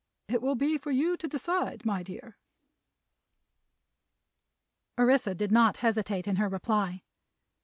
"It will be for you to decide, my dear." Orissa did not hesitate in her reply.